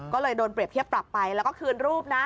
ก็เลยโดนเปรียบเทียบปรับไปแล้วก็คืนรูปนะ